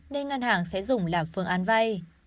nên ngân hàng sẽ dùng làm phương án vay